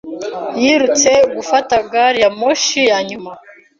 Yirutse gufata gari ya moshi ya nyuma.